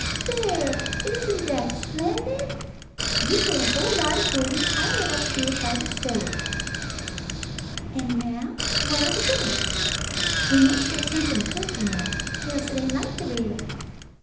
There! Isn't that splendid? You get a whole lot of wood an' pile it up here by the stove. An' now what'll we cook? We must have somethin' to cook, you know, else it ain't like the real."